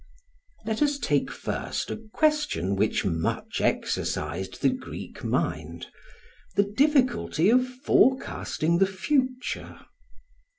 Let us take first a question which much exercised the Greek mind the difficulty of forecasting the future.